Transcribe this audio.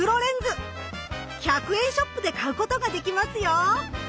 １００円ショップで買うことができますよ。